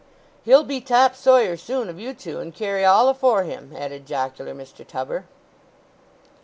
"He'll be top sawyer soon of you two, and carry all afore him," added jocular Mr. Tubber.